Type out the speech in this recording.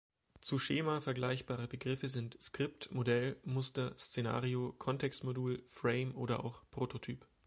Zu Schema vergleichbare Begriffe sind „Skript“, „Modell“, „Muster“, „Szenario“, „Kontext-Modul“, „Frame“ oder auch „Prototyp“.